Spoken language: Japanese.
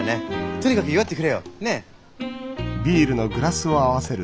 とにかく祝ってくれよ。ね。